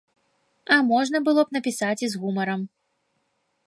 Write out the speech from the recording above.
А можна было б напісаць і з гумарам.